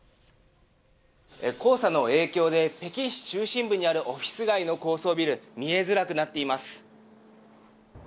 黄砂の影響で北京市中心部にあるオフィス街の高層ビル見えづらくなっています。